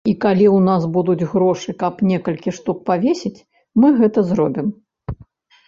І калі ў нас будуць грошы, каб некалькі штук павесіць, мы гэта зробім.